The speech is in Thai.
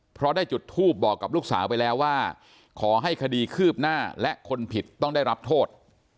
เพราะได้จุดทูปบอกกับลูกสาวไปแล้วว่าขอให้คดีคืบหน้าและคนผิดต้องได้รับโทษ